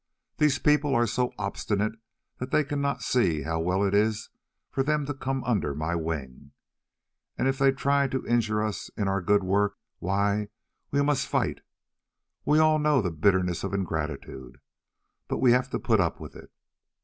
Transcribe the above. These people are so obstinate that they cannot see how well it is for them to come under my wing. And if they try to injure us in our good work, why, we must fight. We all know the bitterness of ingratitude, but we have to put up with it.